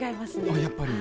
あっやっぱり。